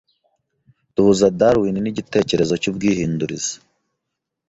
Duhuza Darwin nigitekerezo cyubwihindurize.